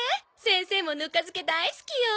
先生もぬか漬け大好きよ。